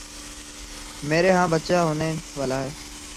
میرے ہاں بچہ ہونے والا ہے